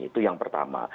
itu yang pertama